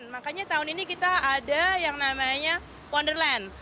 makanya tahun ini kita ada yang namanya wonderland